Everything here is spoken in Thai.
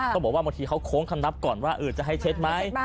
บอกว่าบางทีเขาโค้งคำนับก่อนว่าจะให้เช็ดไหม